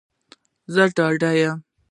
زه ډاډه یم